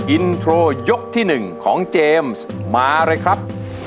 อินโทรยกที่๑ของเจมส์มาเลยครับ